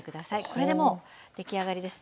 これでもう出来上がりです。